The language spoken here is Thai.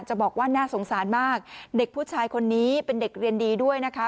บอกว่าน่าสงสารมากเด็กผู้ชายคนนี้เป็นเด็กเรียนดีด้วยนะคะ